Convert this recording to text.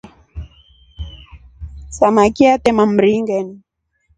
Samaki atema mringeni.